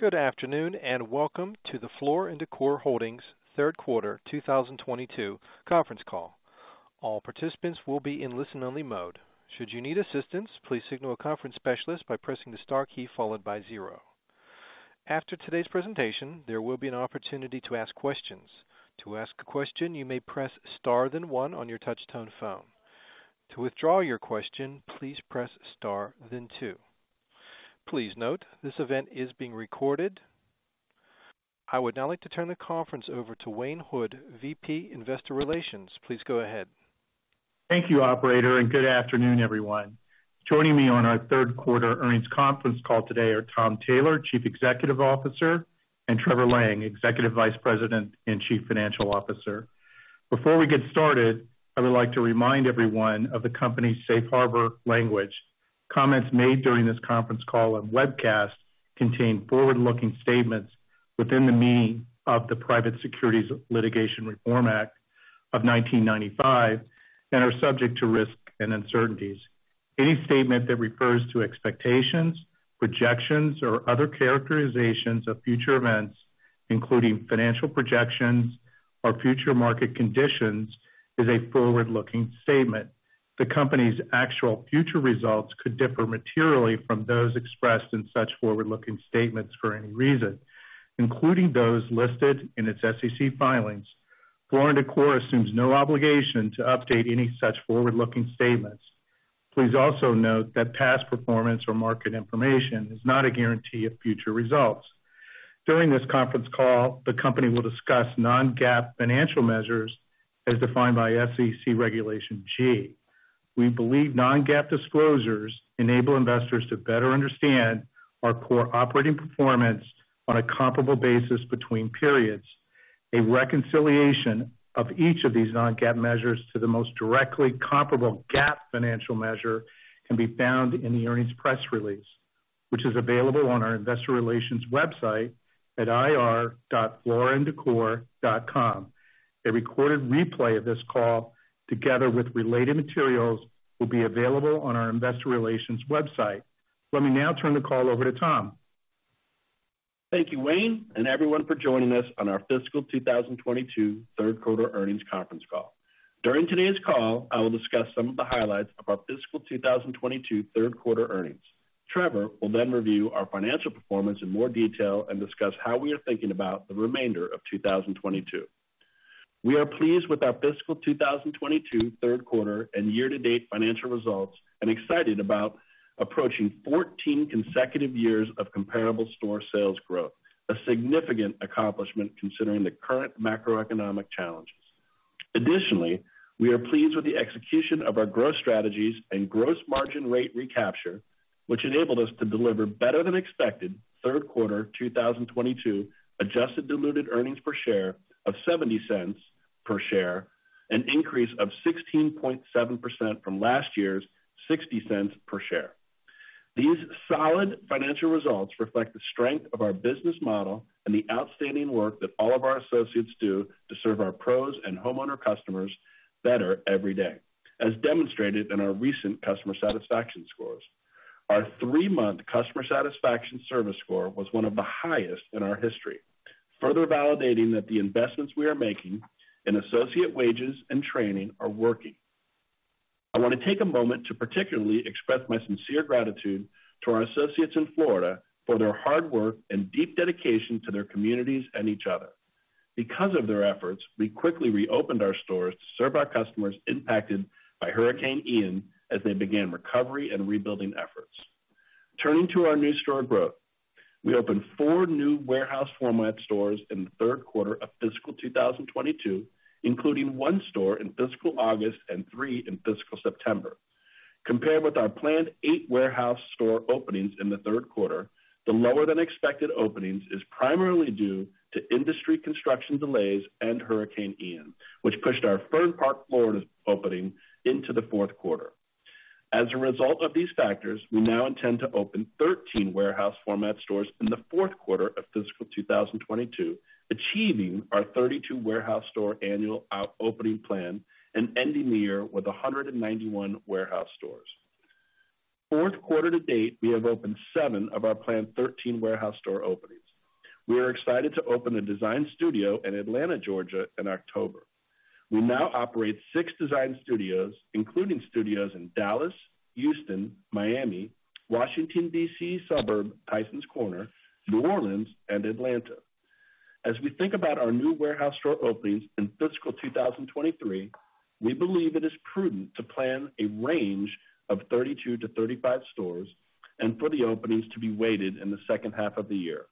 Good afternoon, and welcome to the Floor & Decor Holdings third quarter 2022 conference call. All participants will be in listen only mode. Should you need assistance, please signal a conference specialist by pressing the star key followed by zero. After today's presentation, there will be an opportunity to ask questions. To ask a question, you may press star then one on your touchtone phone. To withdraw your question, please press star then two. Please note, this event is being recorded. I would now like to turn the conference over to Wayne Hood, VP, Investor Relations. Please go ahead. Thank you, operator, and good afternoon, everyone. Joining me on our third quarter earnings conference call today are Tom Taylor, Chief Executive Officer, and Trevor Lang, Executive Vice President and Chief Financial Officer. Before we get started, I would like to remind everyone of the company's safe harbor language. Comments made during this conference call and webcast contain forward-looking statements within the meaning of the Private Securities Litigation Reform Act of 1995 and are subject to risk and uncertainties. Any statement that refers to expectations, projections, or other characterizations of future events, including financial projections or future market conditions, is a forward-looking statement. The company's actual future results could differ materially from those expressed in such forward-looking statements for any reason, including those listed in its SEC filings. Floor & Decor assumes no obligation to update any such forward-looking statements. Please also note that past performance or market information is not a guarantee of future results. During this conference call, the company will discuss non-GAAP financial measures as defined by SEC Regulation G. We believe non-GAAP disclosures enable investors to better understand our core operating performance on a comparable basis between periods. A reconciliation of each of these non-GAAP measures to the most directly comparable GAAP financial measure can be found in the earnings press release, which is available on our investor relations website at ir.flooranddecor.com. A recorded replay of this call, together with related materials, will be available on our investor relations website. Let me now turn the call over to Tom. Thank you, Wayne, and everyone for joining us on our fiscal 2022 third quarter earnings conference call. During today's call, I will discuss some of the highlights of our fiscal 2022 third quarter earnings. Trevor Lang will then review our financial performance in more detail and discuss how we are thinking about the remainder of 2022. We are pleased with our fiscal 2022 third quarter and year-to-date financial results and excited about approaching 14 consecutive years of comparable store sales growth, a significant accomplishment considering the current macroeconomic challenges. Additionally, we are pleased with the execution of our growth strategies and gross margin rate recapture, which enabled us to deliver better than expected third quarter 2022 adjusted diluted earnings per share of $0.70 per share, an increase of 16.7% from last year's $0.60 per share. These solid financial results reflect the strength of our business model and the outstanding work that all of our associates do to serve our pros and homeowner customers better every day, as demonstrated in our recent customer satisfaction scores. Our three-month customer satisfaction service score was one of the highest in our history, further validating that the investments we are making in associate wages and training are working. I want to take a moment to particularly express my sincere gratitude to our associates in Florida for their hard work and deep dedication to their communities and each other. Because of their efforts, we quickly reopened our stores to serve our customers impacted by Hurricane Ian as they began recovery and rebuilding efforts. Turning to our new store growth. We opened four new warehouse format stores in the third quarter of fiscal 2022, including one store in fiscal August and three in fiscal September. Compared with our planned eight warehouse store openings in the third quarter, the lower than expected openings is primarily due to industry construction delays and Hurricane Ian, which pushed our Fern Park, Florida, opening into the fourth quarter. As a result of these factors, we now intend to open 13 warehouse format stores in the fourth quarter of fiscal 2022, achieving our 32 warehouse store annual opening plan and ending the year with 191 warehouse stores. Fourth quarter to date, we have opened seven of our planned 13 warehouse store openings. We are excited to open a design studio in Atlanta, Georgia, in October. We now operate six design studios, including studios in Dallas, Houston, Miami, Washington, D.C. In suburban Tysons Corner, New Orleans, and Atlanta. As we think about our new warehouse store openings in fiscal 2023, we believe it is prudent to plan a range of 32-35 stores and for the openings to be weighted in the second half of the year.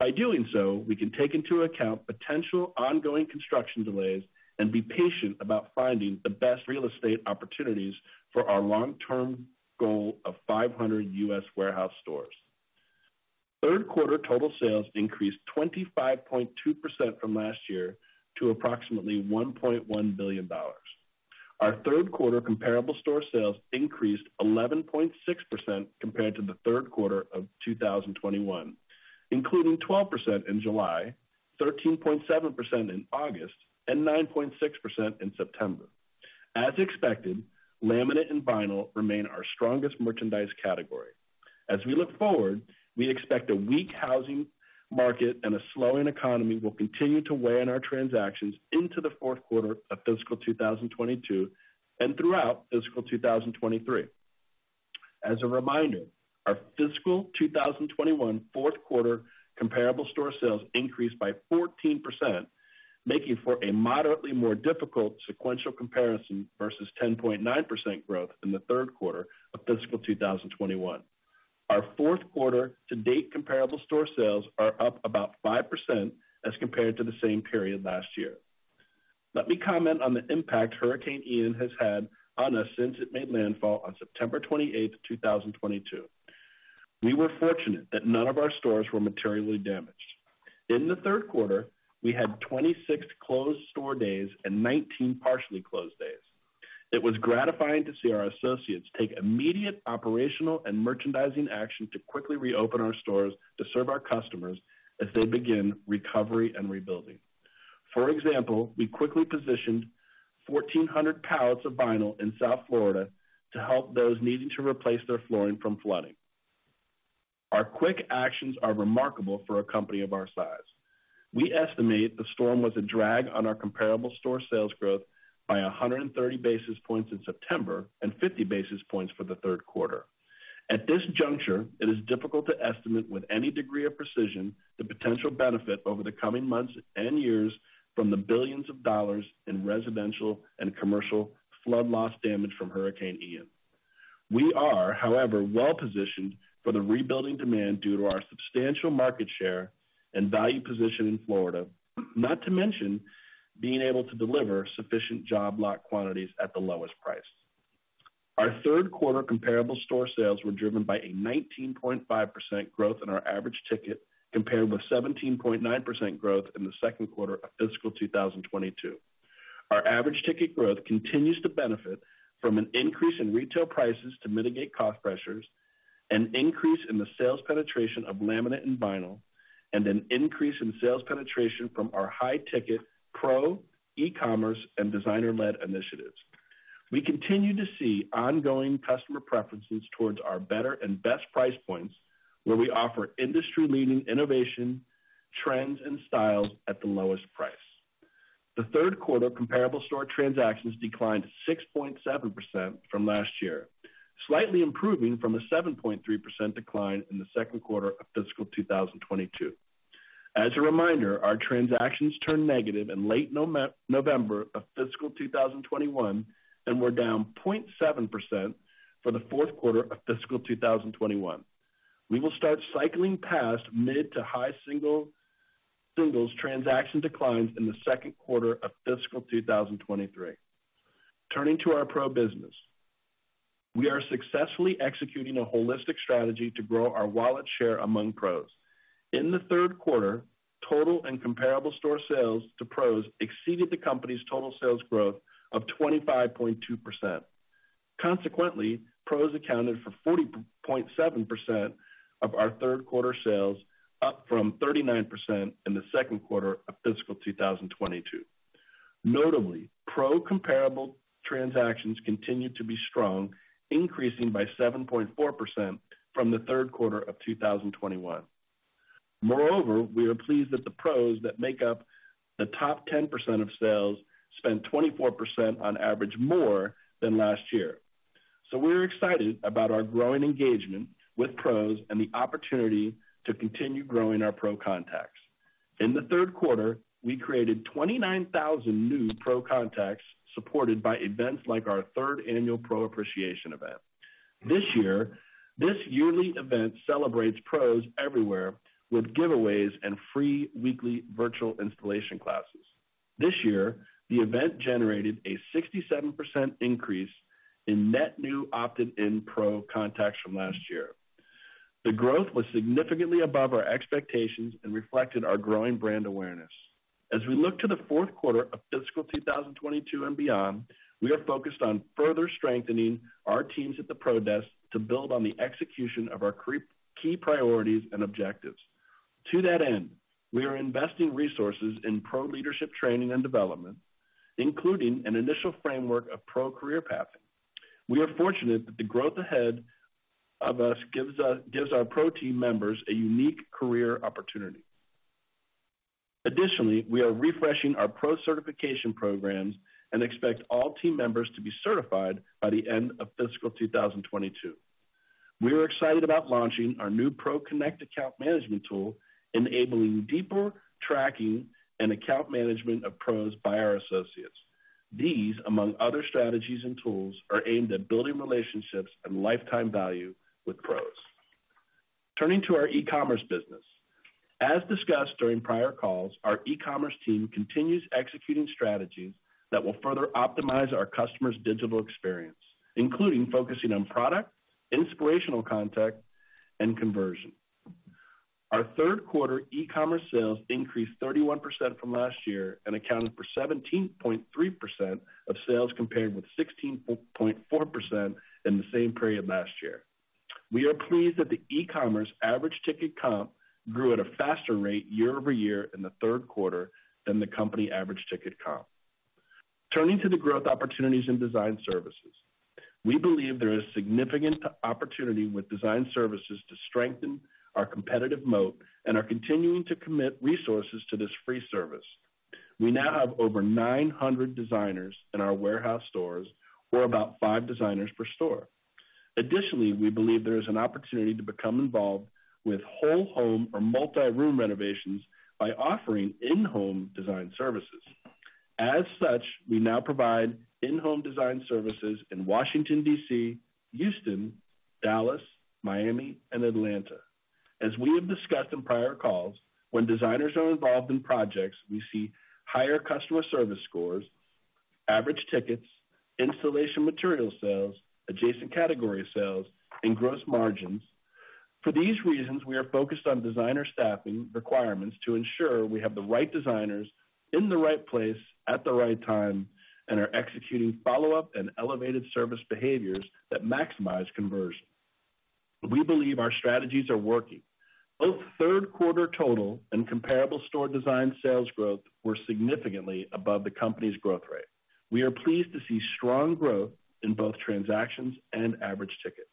By doing so, we can take into account potential ongoing construction delays and be patient about finding the best real estate opportunities for our long-term goal of 500 U.S. warehouse stores. Third quarter total sales increased 25.2% from last year to approximately $1.1 billion. Our third quarter comparable store sales increased 11.6% compared to the third quarter of 2021, including 12% in July, 13.7% in August, and 9.6% in September. As expected, Laminate and Vinyl remain our strongest merchandise category. As we look forward, we expect a weak housing market and a slowing economy will continue to weigh on our transactions into the fourth quarter of fiscal 2022 and throughout fiscal 2023. As a reminder, our fiscal 2021 fourth quarter comparable store sales increased by 14%, making for a moderately more difficult sequential comparison versus 10.9% growth in the third quarter of fiscal 2021. Our fourth quarter to date comparable store sales are up about 5% as compared to the same period last year. Let me comment on the impact Hurricane Ian has had on us since it made landfall on September 28, 2022. We were fortunate that none of our stores were materially damaged. In the third quarter, we had 26 closed store days and 19 partially closed days. It was gratifying to see our associates take immediate operational and merchandising action to quickly reopen our stores to serve our customers as they begin recovery and rebuilding. For example, we quickly positioned 1,400 pallets of vinyl in South Florida to help those needing to replace their flooring from flooding. Our quick actions are remarkable for a company of our size. We estimate the storm was a drag on our comparable store sales growth by 130 basis points in September and 50 basis points for the third quarter. At this juncture, it is difficult to estimate with any degree of precision the potential benefit over the coming months and years from the billions of dollars in residential and commercial flood loss damage from Hurricane Ian. We are, however, well positioned for the rebuilding demand due to our substantial market share and value position in Florida, not to mention being able to deliver sufficient job lot quantities at the lowest price. Our third quarter comparable store sales were driven by a 19.5% growth in our average ticket compared with 17.9% growth in the second quarter of fiscal 2022. Our average ticket growth continues to benefit from an increase in retail prices to mitigate cost pressures, an increase in the sales penetration of laminate and vinyl, and an increase in sales penetration from our high ticket pro, e-commerce, and designer-led initiatives. We continue to see ongoing customer preferences towards our better and best price points, where we offer industry-leading innovation, trends, and styles at the lowest price. The third quarter comparable store transactions declined to 6.7% from last year, slightly improving from a 7.3% decline in the second quarter of fiscal 2022. As a reminder, our transactions turned negative in late November of fiscal 2021 and were down 0.7% for the fourth quarter of fiscal 2021. We will start cycling past mid- to high-single-digit transaction declines in the second quarter of fiscal 2023. Turning to our pro business. We are successfully executing a holistic strategy to grow our wallet share among pros. In the third quarter, total and comparable store sales to pros exceeded the company's total sales growth of 25.2%. Consequently, pros accounted for 40.7% of our third quarter sales, up from 39% in the second quarter of fiscal 2022. Notably, pro comparable transactions continued to be strong, increasing by 7.4% from the third quarter of 2021. Moreover, we are pleased that the pros that make up the top 10% of sales spent 24% on average more than last year. We're excited about our growing engagement with pros and the opportunity to continue growing our pro contacts. In the third quarter, we created 29,000 new pro contacts supported by events like our third annual PRO Appreciation Month. This year, this yearly event celebrates pros everywhere with giveaways and free weekly virtual installation classes. This year, the event generated a 67% increase in net new opted-in pro contacts from last year. The growth was significantly above our expectations and reflected our growing brand awareness. As we look to the fourth quarter of fiscal 2022 and beyond, we are focused on further strengthening our teams at the pro desk to build on the execution of our key priorities and objectives. To that end, we are investing resources in pro leadership training and development, including an initial framework of pro career pathing. We are fortunate that the growth ahead of us gives our pro team members a unique career opportunity. Additionally, we are refreshing our pro certification programs and expect all team members to be certified by the end of fiscal 2022. We are excited about launching our new Pro Connect account management tool, enabling deeper tracking and account management of pros by our associates. These, among other strategies and tools, are aimed at building relationships and lifetime value with pros. Turning to our e-commerce business. As discussed during prior calls, our e-commerce team continues executing strategies that will further optimize our customers' digital experience, including focusing on product, inspirational content, and conversion. Our third quarter e-commerce sales increased 31% from last year and accounted for 17.3% of sales, compared with 16.4% in the same period last year. We are pleased that the e-commerce average ticket comp grew at a faster rate year-over-year in the third quarter than the company average ticket comp. Turning to the growth opportunities in design services. We believe there is significant opportunity with design services to strengthen our competitive moat and are continuing to commit resources to this free service. We now have over 900 designers in our warehouse stores, or about five designers per store. Additionally, we believe there is an opportunity to become involved with whole home or multi-room renovations by offering in-home design services. As such, we now provide in-home design services in Washington, D.C., Houston, Dallas, Miami, and Atlanta. As we have discussed in prior calls, when designers are involved in projects, we see higher customer service scores, average tickets, installation material sales, adjacent category sales, and gross margins. For these reasons, we are focused on designer staffing requirements to ensure we have the right designers in the right place at the right time, and are executing follow-up and elevated service behaviors that maximize conversion. We believe our strategies are working. Both third quarter total and comparable store design sales growth were significantly above the company's growth rate. We are pleased to see strong growth in both transactions and average ticket.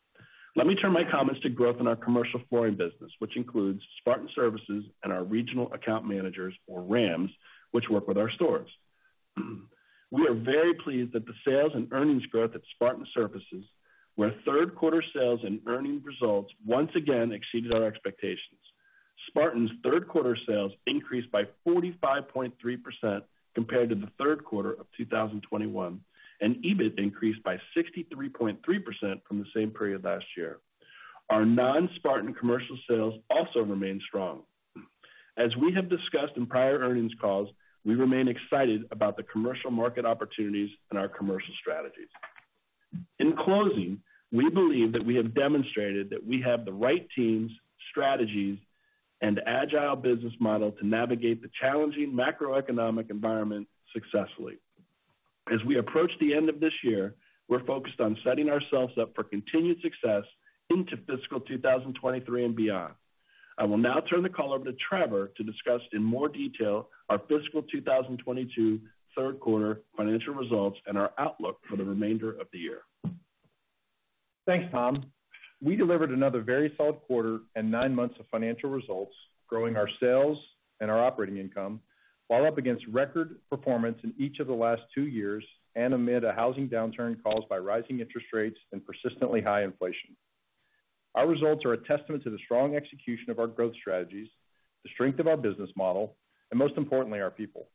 Let me turn my comments to growth in our commercial flooring business, which includes Spartan Surfaces and our regional account managers, or RAMs, which work with our stores. We are very pleased that the sales and earnings growth at Spartan Surfaces, where third quarter sales and earnings results once again exceeded our expectations. Spartan's third quarter sales increased by 45.3% compared to the third quarter of 2021, and EBIT increased by 63.3% from the same period last year. Our non-Spartan commercial sales also remain strong. As we have discussed in prior earnings calls, we remain excited about the commercial market opportunities and our commercial strategies. In closing, we believe that we have demonstrated that we have the right teams, strategies, and agile business model to navigate the challenging macroeconomic environment successfully. As we approach the end of this year, we're focused on setting ourselves up for continued success into fiscal 2023 and beyond. I will now turn the call over to Trevor to discuss in more detail our fiscal 2022 third quarter financial results and our outlook for the remainder of the year. Thanks, Tom. We delivered another very solid quarter and nine months of financial results, growing our sales and our operating income while up against record performance in each of the last two years, and amid a housing downturn caused by rising interest rates and persistently high inflation. Our results are a testament to the strong execution of our growth strategies, the strength of our business model, and most importantly, our people.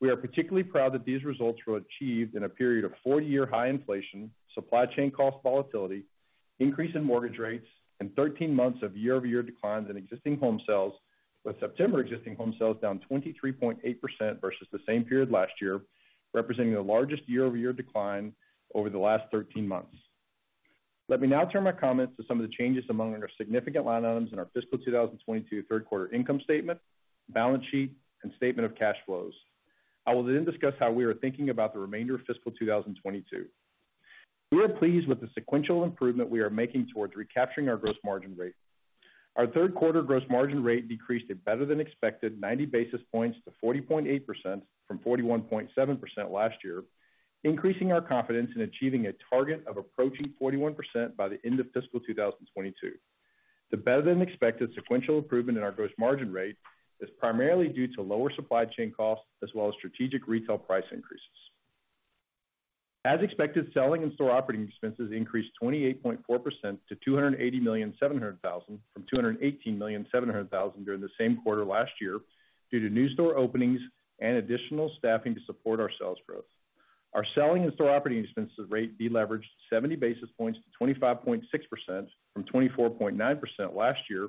We are particularly proud that these results were achieved in a period of 40-year high inflation, supply chain cost volatility, increase in mortgage rates, and 13 months of year-over-year declines in existing home sales, with September existing home sales down 23.8% versus the same period last year, representing the largest year-over-year decline over the last 13 months. Let me now turn my comments to some of the changes among our significant line items in our fiscal 2022 third quarter income statement, balance sheet, and statement of cash flows. I will then discuss how we are thinking about the remainder of fiscal 2022. We are pleased with the sequential improvement we are making towards recapturing our gross margin rate. Our third quarter gross margin rate decreased a better-than-expected 90 basis points to 40.8% from 41.7% last year, increasing our confidence in achieving a target of approaching 41% by the end of fiscal 2022. The better-than-expected sequential improvement in our gross margin rate is primarily due to lower supply chain costs, as well as strategic retail price increases. As expected, selling and store operating expenses increased 28.4% to $280.7 million from $218.7 million during the same quarter last year, due to new store openings and additional staffing to support our sales growth. Our selling and store operating expenses rate deleveraged 70 basis points to 25.6% from 24.9% last year,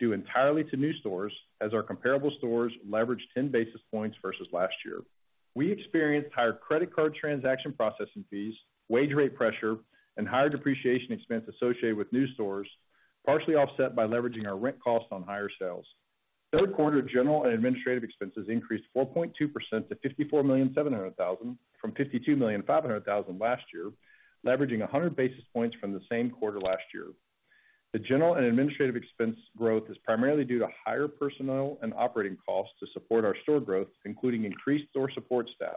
due entirely to new stores as our comparable stores leveraged 10 basis points versus last year. We experienced higher credit card transaction processing fees, wage rate pressure, and higher depreciation expense associated with new stores, partially offset by leveraging our rent costs on higher sales. Third quarter general and administrative expenses increased 4.2% to $54.7 million from $52.5 million last year, leveraging 100 basis points from the same quarter last year. The general and administrative expense growth is primarily due to higher personnel and operating costs to support our store growth, including increased store support staff.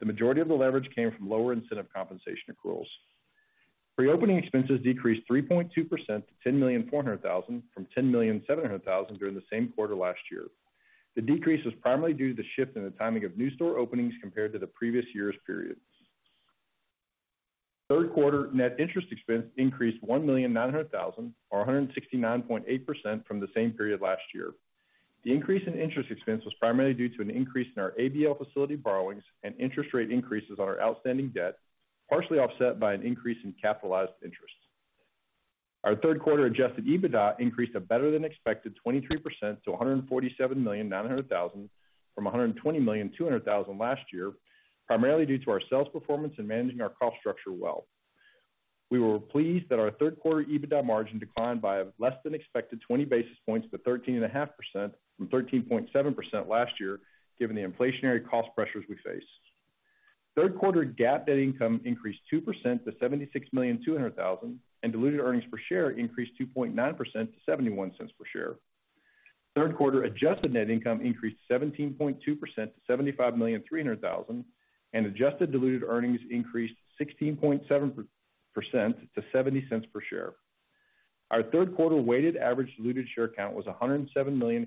The majority of the leverage came from lower incentive compensation accruals. Reopening expenses decreased 3.2% to $10.4 million from $10.7 million during the same quarter last year. The decrease was primarily due to the shift in the timing of new store openings compared to the previous year's periods. Third quarter net interest expense increased $1.9 million or 169.8% from the same period last year. The increase in interest expense was primarily due to an increase in our ABL facility borrowings and interest rate increases on our outstanding debt, partially offset by an increase in capitalized interest. Our third quarter Adjusted EBITDA increased a better-than-expected 23% to $147.9 million from $120.2 million last year, primarily due to our sales performance in managing our cost structure well. We were pleased that our third quarter EBITDA margin declined by a less-than-expected 20 basis points to 13.5% from 13.7% last year, given the inflationary cost pressures we face. Third quarter GAAP net income increased 2% to $76.2 million, and diluted earnings per share increased 2.9% to 71 cents per share. Third quarter adjusted net income increased 17.2% to $75.3 million, and adjusted diluted earnings increased 16.7% to $0.70 per share. Our third quarter weighted average diluted share count was 107.5 million,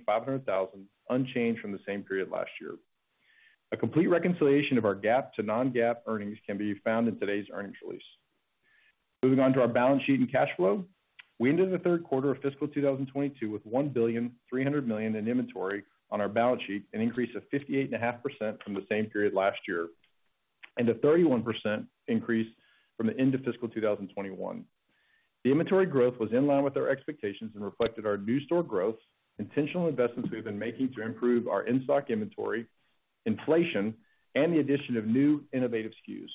unchanged from the same period last year. A complete reconciliation of our GAAP to non-GAAP earnings can be found in today's earnings release. Moving on to our balance sheet and cash flow. We ended the third quarter of fiscal 2022 with $1.3 billion in inventory on our balance sheet, an increase of 58.5% from the same period last year, and a 31% increase from the end of fiscal 2021. The inventory growth was in line with our expectations and reflected our new store growth, intentional investments we've been making to improve our in-stock inventory, inflation, and the addition of new innovative SKUs.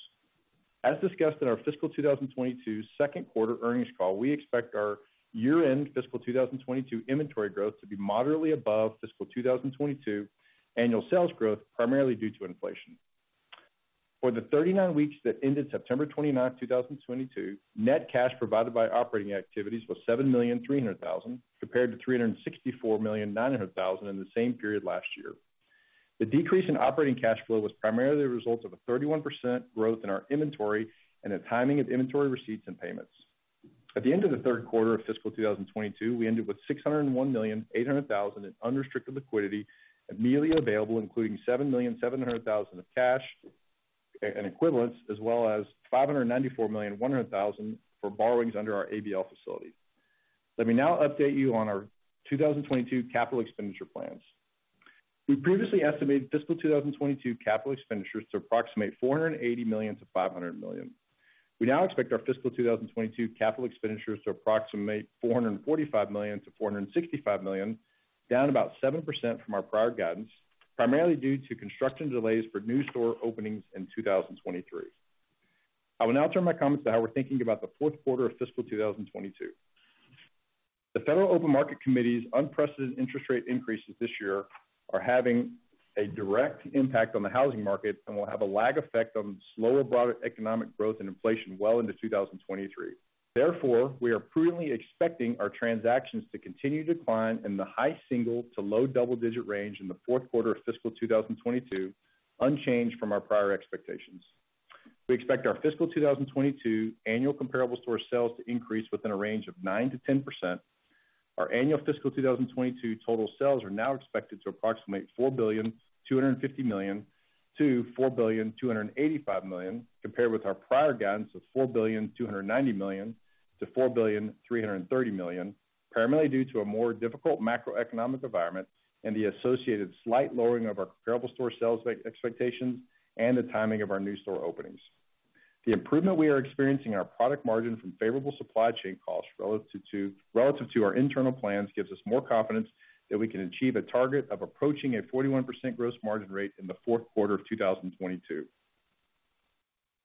As discussed in our fiscal 2022 second quarter earnings call, we expect our year-end fiscal 2022 inventory growth to be moderately above fiscal 2022 annual sales growth, primarily due to inflation. For the 39 weeks that ended September 29, 2022, net cash provided by operating activities was $7.3 million, compared to $364.9 million in the same period last year. The decrease in operating cash flow was primarily the result of a 31% growth in our inventory and the timing of inventory receipts and payments. At the end of the third quarter of fiscal 2022, we ended with $601.8 million in unrestricted liquidity immediately available, including $7.7 million of cash and equivalents, as well as $594.1 million for borrowings under our ABL facility. Let me now update you on our 2022 capital expenditure plans. We previously estimated fiscal 2022 capital expenditures to approximate $480 million-$500 million. We now expect our fiscal 2022 capital expenditures to approximate $445 million-$465 million, down about 7% from our prior guidance, primarily due to construction delays for new store openings in 2023. I will now turn my comments to how we're thinking about the fourth quarter of fiscal 2022. The Federal Open Market Committee's unprecedented interest rate increases this year are having a direct impact on the housing market and will have a lag effect on slower broader economic growth and inflation well into 2023. Therefore, we are prudently expecting our transactions to continue to decline in the high single to low double-digit range in the fourth quarter of fiscal 2022, unchanged from our prior expectations. We expect our fiscal 2022 annual comparable store sales to increase within a range of 9%-10%. Our annual fiscal 2022 total sales are now expected to approximate $4.25 billion-$4.285 billion, compared with our prior guidance of $4.29 billion-$4.33 billion, primarily due to a more difficult macroeconomic environment and the associated slight lowering of our comparable store sales expectations and the timing of our new store openings. The improvement we are experiencing in our product margin from favorable supply chain costs relative to our internal plans gives us more confidence that we can achieve a target of approaching a 41% gross margin rate in the fourth quarter of 2022.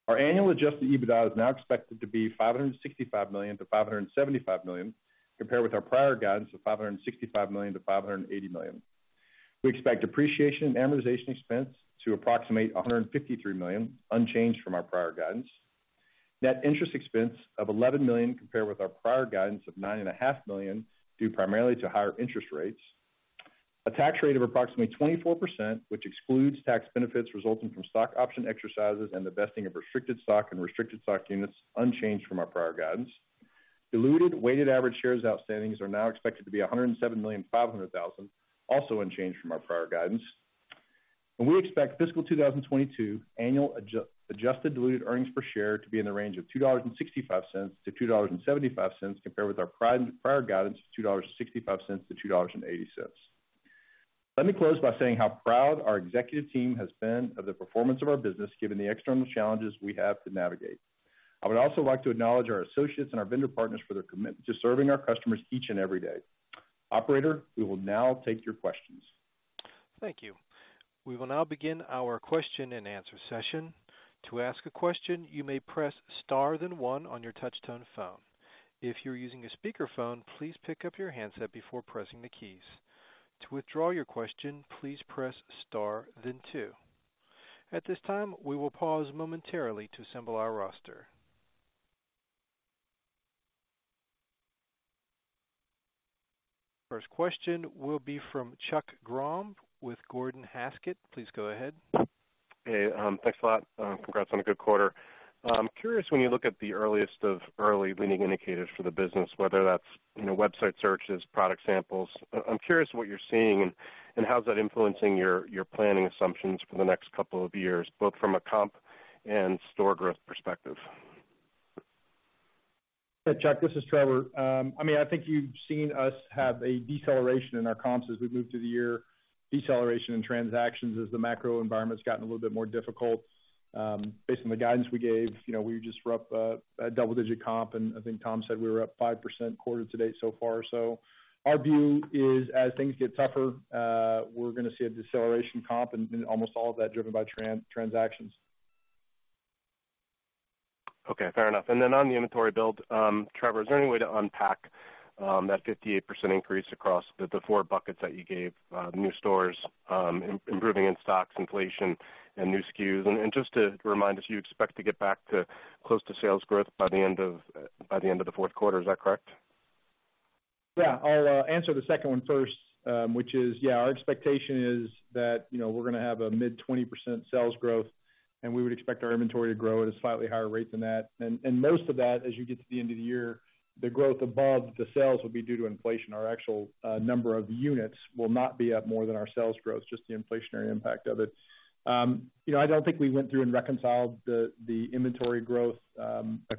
Our annual Adjusted EBITDA is now expected to be $565 million-$575 million, compared with our prior guidance of $565 million-$580 million. We expect depreciation and amortization expense to approximate $153 million, unchanged from our prior guidance. Net interest expense of $11 million, compared with our prior guidance of $9.5 million, due primarily to higher interest rates. A tax rate of approximately 24%, which excludes tax benefits resulting from stock option exercises and the vesting of restricted stock and restricted stock units, unchanged from our prior guidance. Diluted weighted average shares outstanding are now expected to be 107.5 million, also unchanged from our prior guidance. We expect fiscal 2022 annual adjusted diluted earnings per share to be in the range of $2.65-$2.75, compared with our prior guidance of $2.65-$2.80. Let me close by saying how proud our executive team has been of the performance of our business given the external challenges we have to navigate. I would also like to acknowledge our associates and our vendor partners for their commitment to serving our customers each and every day. Operator, we will now take your questions. Thank you. We will now begin our question-and-answer session. To ask a question, you may press star then one on your touch-tone phone. If you're using a speakerphone, please pick up your handset before pressing the keys. To withdraw your question, please press star then two. At this time, we will pause momentarily to assemble our roster. First question will be from Chuck Grom with Gordon Haskett. Please go ahead. Hey, thanks a lot. Congrats on a good quarter. I'm curious when you look at the earliest of early leading indicators for the business, whether that's, you know, website searches, product samples. I'm curious what you're seeing and how's that influencing your planning assumptions for the next couple of years, both from a comp and store growth perspective. Hey, Chuck, this is Trevor. I mean, I think you've seen us have a deceleration in our comps as we've moved through the year, deceleration in transactions as the macro environment has gotten a little bit more difficult. Based on the guidance we gave, you know, we were just roughly a double-digit comp, and I think Tom said we were up 5% quarter to date so far. Our view is as things get tougher, we're gonna see a deceleration in comps and almost all of that driven by transactions. Okay, fair enough. Then on the inventory build, Trevor, is there any way to unpack that 58% increase across the four buckets that you gave, new stores, improving in stocks, inflation and new SKUs? Just to remind us, you expect to get back to close to sales growth by the end of the fourth quarter. Is that correct? Yeah. I'll answer the second one first, which is, yeah, our expectation is that, you know, we're gonna have a mid-20% sales growth, and we would expect our inventory to grow at a slightly higher rate than that. Most of that, as you get to the end of the year, the growth above the sales will be due to inflation. Our actual number of units will not be up more than our sales growth, just the inflationary impact of it. You know, I don't think we went through and reconciled the inventory growth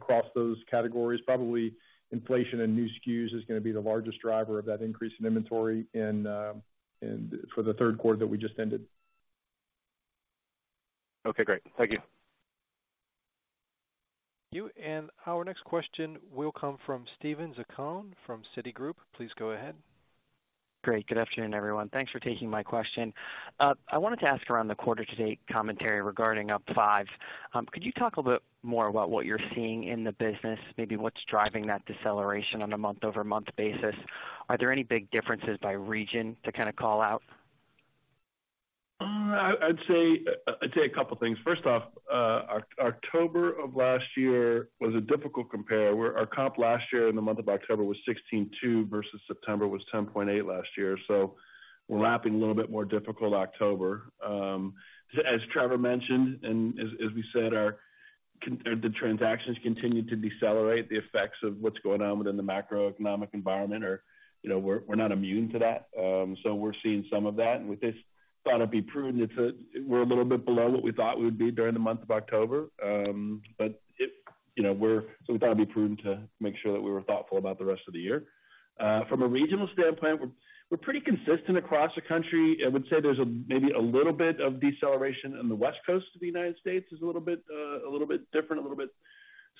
across those categories. Probably inflation and new SKUs is gonna be the largest driver of that increase in inventory and for the third quarter that we just ended. Okay, great. Thank you. Our next question will come from Steven Zaccone from Citigroup. Please go ahead. Great. Good afternoon, everyone. Thanks for taking my question. I wanted to ask about the quarter-to-date commentary regarding up 5%. Could you talk a bit more about what you're seeing in the business, maybe what's driving that deceleration on a month-over-month basis? Are there any big differences by region to kind of call out? I'd say a couple things. First off, October of last year was a difficult compare, where our comp last year in the month of October was 16.2% versus September was 10.8% last year. We're lapping a little bit more difficult October. As Trevor mentioned, and as we said, the transactions continue to decelerate the effects of what's going on within the macroeconomic environment, you know, we're not immune to that. We're seeing some of that. We just thought it'd be prudent. We're a little bit below what we thought we would be during the month of October. You know, so we thought it'd be prudent to make sure that we were thoughtful about the rest of the year. From a regional standpoint, we're pretty consistent across the country. I would say there's maybe a little bit of deceleration in the West Coast of the United States. It's a little bit different, a little bit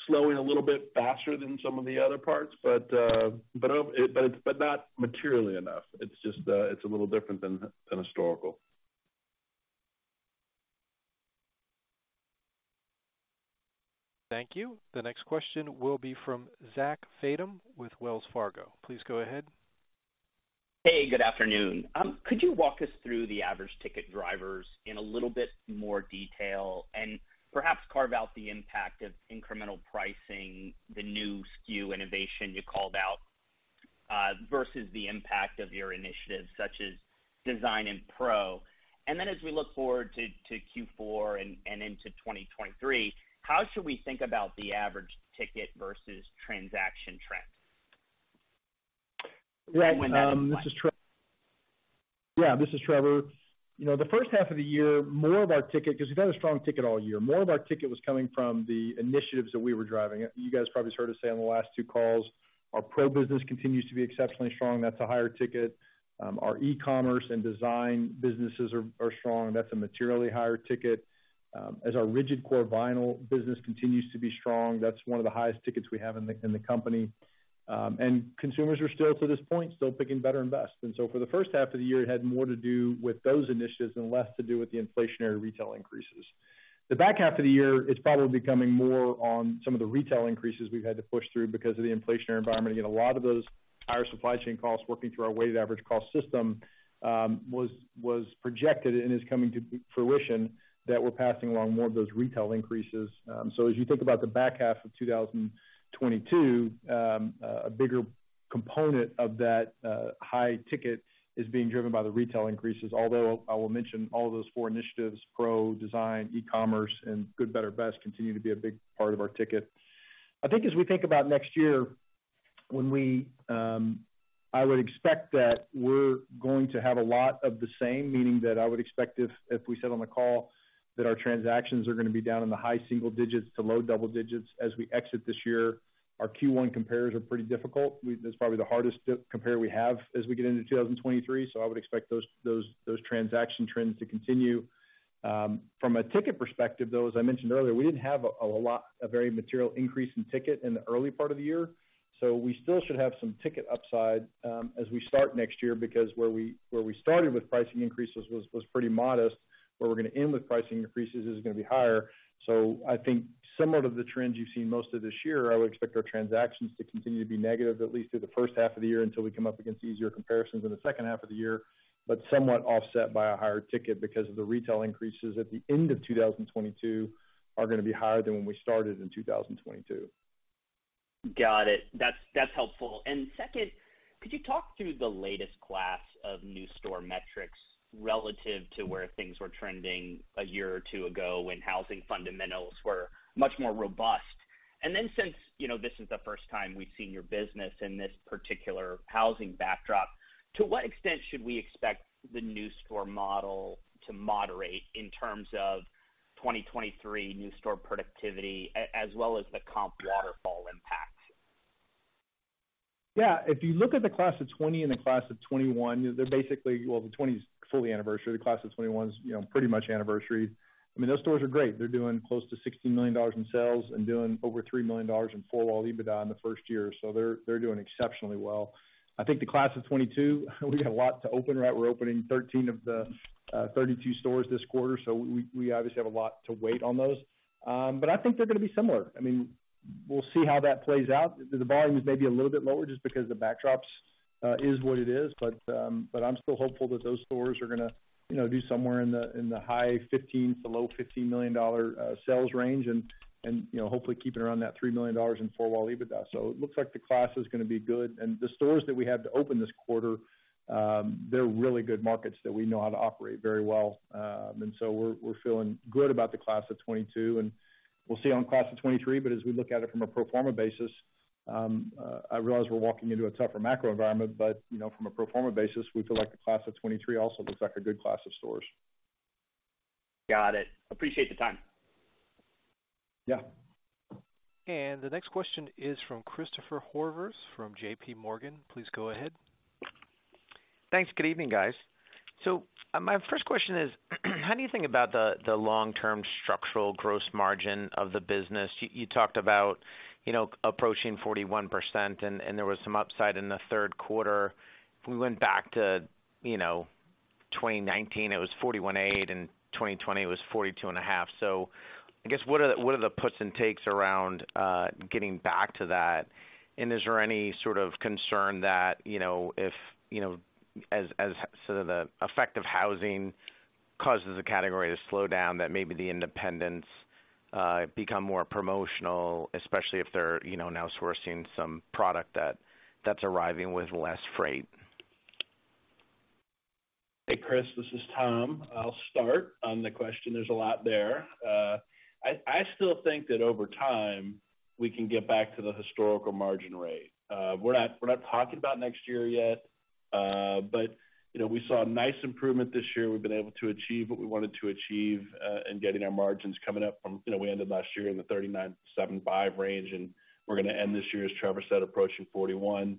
slowing, a little bit faster than some of the other parts, but it's not materially enough. It's just it's a little different than historical. Thank you. The next question will be from Zach Fadem with Wells Fargo. Please go ahead. Hey, good afternoon. Could you walk us through the average ticket drivers in a little bit more detail and perhaps carve out the impact of incremental pricing, the new SKU innovation you called out, versus the impact of your initiatives such as Design and Pro? Then as we look forward to Q4 and into 2023, how should we think about the average ticket versus transaction trends? Yeah. This is Trevor. You know, the first half of the year, more of our ticket 'Cause we've had a strong ticket all year. More of our ticket was coming from the initiatives that we were driving. You guys probably heard us say on the last two calls, our Pro business continues to be exceptionally strong. That's a higher ticket. Our eCommerce and Design businesses are strong. That's a materially higher ticket. And our Rigid Core Vinyl business continues to be strong, that's one of the highest tickets we have in the company. Consumers are still to this point picking Better and Best. For the first half of the year, it had more to do with those initiatives and less to do with the inflationary retail increases. The back half of the year, it's probably becoming more on some of the retail increases we've had to push through because of the inflationary environment. Again, a lot of those higher supply chain costs working through our weighted average cost system was projected and is coming to fruition that we're passing along more of those retail increases. As you think about the back half of 2022, a bigger component of that high ticket is being driven by the retail increases. Although I will mention all of those four initiatives, Pro, Design, eCommerce, and Good, Better, Best continue to be a big part of our ticket. I think as we think about next year when we- I would expect that we're going to have a lot of the same, meaning that I would expect if we said on the call that our transactions are gonna be down in the high single digits to low double digits as we exit this year. Our Q1 compares are pretty difficult. That's probably the hardest to compare we have as we get into 2023. I would expect those transaction trends to continue. From a ticket perspective, though, as I mentioned earlier, we didn't have a very material increase in ticket in the early part of the year. We still should have some ticket upside as we start next year, because where we started with pricing increases was pretty modest. Where we're gonna end with pricing increases is gonna be higher. I think similar to the trends you've seen most of this year, I would expect our transactions to continue to be negative at least through the first half of the year until we come up against easier comparisons in the second half of the year, but somewhat offset by a higher ticket because of the retail increases at the end of 2022 are gonna be higher than when we started in 2022. Got it. That's helpful. Second, could you talk through the latest class of new store metrics relative to where things were trending a year or two ago when housing fundamentals were much more robust? Then since, you know, this is the first time we've seen your business in this particular housing backdrop, to what extent should we expect the new store model to moderate in terms of 2023 new store productivity as well as the comp waterfall impact? Yeah. If you look at the class of 2020 and the class of 2021, they're basically. Well, the 2020 is fully anniversary. The class of 2021 is, you know, pretty much anniversary. I mean, those stores are great. They're doing close to $60 million in sales and doing over $3 million in four wall EBITDA in the first year. They're doing exceptionally well. I think the class of 2022, we got a lot to open, right? We're opening 13 of the 32 stores this quarter, so we obviously have a lot to wait on those. I think they're gonna be similar. I mean We'll see how that plays out. The volume is maybe a little bit lower just because the backdrops is what it is. But I'm still hopeful that those stores are gonna do somewhere in the high $15 million to low $15 million sales range and hopefully keep it around that $3 million in four wall EBITDA. It looks like the class is gonna be good. The stores that we had to open this quarter, they're really good markets that we know how to operate very well. We're feeling good about the class of 2022, and we'll see on class of 2023.As we look at it from a pro forma basis, I realize we're walking into a tougher macro environment, but you know, from a pro forma basis, we feel like the class of 2023 also looks like a good class of stores. Got it. Appreciate the time. Yeah. The next question is from Christopher Horvers from J.P. Morgan. Please go ahead. Thanks. Good evening, guys. My first question is, how do you think about the long-term structural gross margin of the business? You talked about, you know, approaching 41% and there was some upside in the third quarter. If we went back to, you know, 2019, it was 41.8%, in 2020 it was 42.5%. I guess, what are the puts and takes around getting back to that? And is there any sort of concern that, you know, if, you know, as sort of the effect of housing causes the category to slow down, that maybe the independents become more promotional, especially if they're, you know, now sourcing some product that's arriving with less freight? Hey, Chris, this is Tom. I'll start on the question. There's a lot there. I still think that over time, we can get back to the historical margin rate. We're not talking about next year yet, but you know, we saw a nice improvement this year. We've been able to achieve what we wanted to achieve in getting our margins coming up from the 39.75% range. You know, we ended last year in the 39.75% range, and we're gonna end this year, as Trevor said, approaching 41%.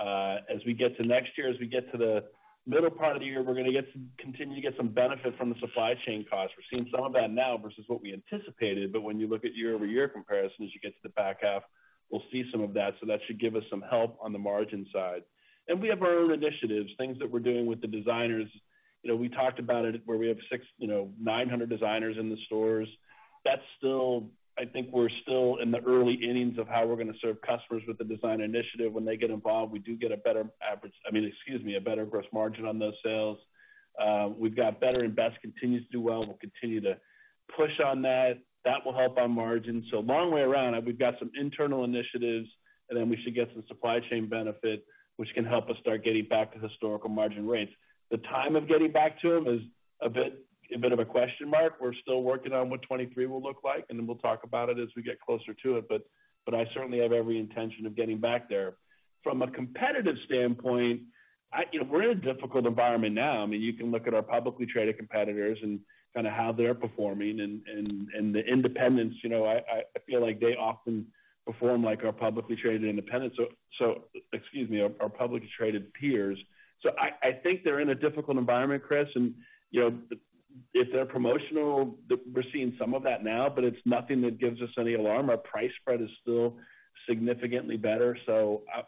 As we get to next year, as we get to the middle part of the year, we're gonna continue to get some benefit from the supply chain costs. We're seeing some of that now versus what we anticipated. When you look at year-over-year comparisons, as you get to the back half, we'll see some of that. That should give us some help on the margin side. We have our own initiatives, things that we're doing with the designers. You know, we talked about it where we have 600-900 designers in the stores. That's still. I think we're still in the early innings of how we're gonna serve customers with the design initiative. When they get involved, we do get, I mean, excuse me, a better gross margin on those sales. We've got Good, Better, Best continues to do well. We'll continue to push on that. That will help our margins. Long way around, we've got some internal initiatives, and then we should get some supply chain benefit, which can help us start getting back to historical margin rates. The time of getting back to them is a bit of a question mark. We're still working on what 2023 will look like, and then we'll talk about it as we get closer to it. I certainly have every intention of getting back there. From a competitive standpoint, I you know, we're in a difficult environment now. I mean, you can look at our publicly traded competitors and kinda how they're performing and the independents, you know, I feel like they often perform like our publicly traded independents. So excuse me, our publicly traded peers. I think they're in a difficult environment, Chris. You know, if they're promotional, we're seeing some of that now, but it's nothing that gives us any alarm. Our price spread is still significantly better.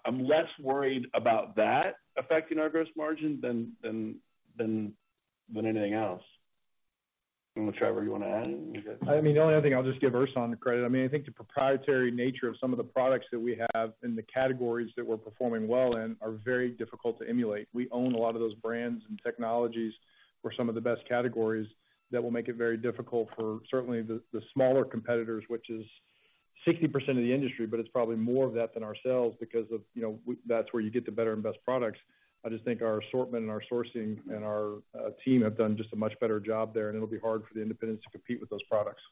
I'm less worried about that affecting our gross margin than anything else. Trevor, you wanna add? I mean, the only other thing, I'll just give Lisa Laube the credit. I mean, I think the proprietary nature of some of the products that we have and the categories that we're performing well in are very difficult to emulate. We own a lot of those brands and technologies for some of the best categories that will make it very difficult for certainly the smaller competitors, which is 60% of the industry, but it's probably more of that than ourselves because of, you know, that's where you get the Better and Best products. I just think our assortment and our sourcing and our team have done just a much better job there, and it'll be hard for the independents to compete with those products.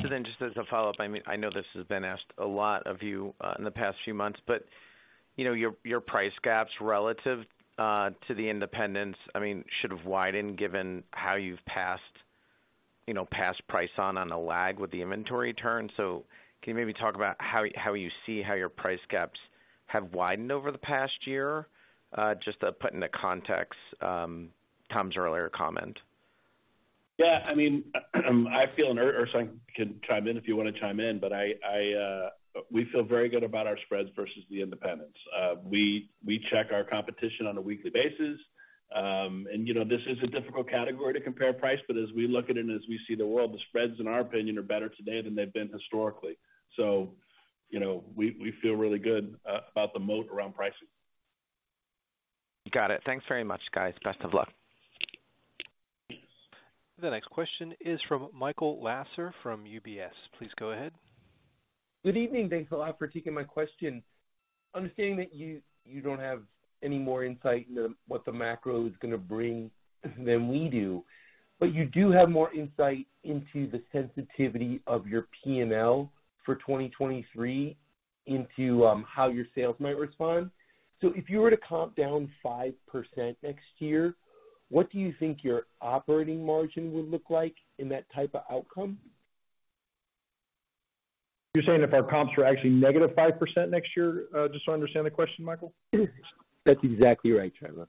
Just as a follow-up, I mean, I know this has been asked a lot of you in the past few months, but you know your price gaps relative to the independents, I mean, should have widened given how you've passed you know passed price on a lag with the inventory turn. Can you maybe talk about how you see how your price gaps have widened over the past year? Just to put into context, Tom's earlier comment. Yeah. I mean, I feel and Ersan chime in if you wanna chime in. We feel very good about our spreads versus the independents. We check our competition on a weekly basis. You know, this is a difficult category to compare price, but as we look at it and as we see the world, the spreads, in our opinion, are better today than they've been historically. You know, we feel really good about the moat around pricing. Got it. Thanks very much, guys. Best of luck. The next question is from Michael Lasser from UBS. Please go ahead. Good evening. Thanks a lot for taking my question. Understanding that you don't have any more insight into what the macro is gonna bring than we do, but you do have more insight into the sensitivity of your P&L for 2023 into how your sales might respond. If you were to comp down 5% next year, what do you think your operating margin would look like in that type of outcome? You're saying if our comps were actually -5% next year? Just so I understand the question, Michael. That's exactly right, Trevor.